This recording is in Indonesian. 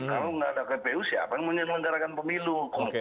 kalau tidak ada kpu siapa yang menggerakkan pemilu